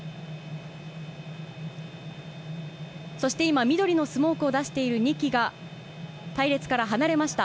そして今、緑のスモークを出している２機が、隊列から離れました。